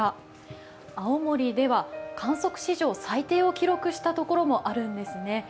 青森では観測史上最低を記録した所もあるんですね。